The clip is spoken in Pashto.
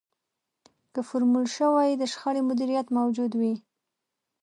که فورمول شوی د شخړې مديريت موجود وي.